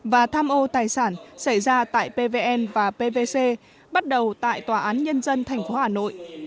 và tham ô tài sản xảy ra tại pvn và pvc bắt đầu tại tòa án nhân dân tp hà nội